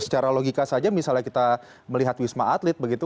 secara logika saja misalnya kita melihat wisma atlet begitu